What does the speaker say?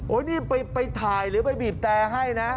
นี่ไปถ่ายหรือไปบีบแต่ให้นะ